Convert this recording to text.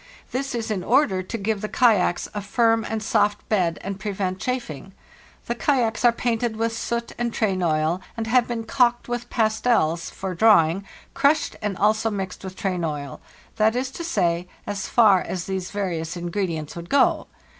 This is in order to give the kayaks a firm and soft bed and prevent chafing. The kayaks are painted with soot and train oil, and have been calked with pastels (for drawing), crushed and also mixed with train oil; that is to say, as far as these various ingre dients would go.